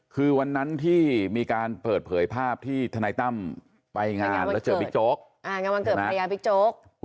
คือวันนั้นที่มีการเปิดเผยภาพที่ทันายตั้มไปงานแล้วเจอบิ๊กโจ๊ก